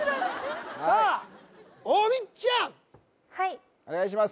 さあ大道ちゃんはいお願いします